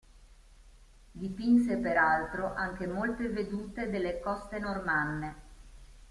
Dipinse peraltro anche molte vedute delle coste normanne.